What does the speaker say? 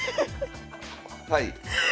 はい。